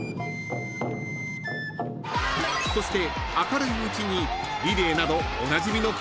［そして］